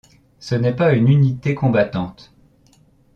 Ce n'est pas une unité combattante.